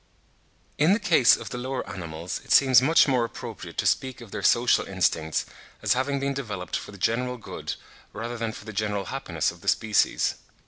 In the case of the lower animals it seems much more appropriate to speak of their social instincts, as having been developed for the general good rather than for the general happiness of the species.